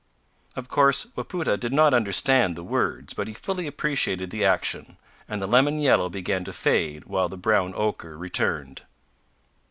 Of course Wapoota did not understand the words but he fully appreciated the action, and the lemon yellow began to fade while the brown ochre returned.